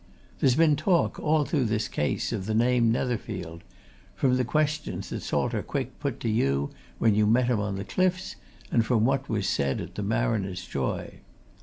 There's been talk, all through this case, of the name Netherfield from the questions that Salter Quick put to you when you met him on the cliffs, and from what was said at the Mariner's Joy.